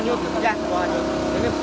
ya ke bawah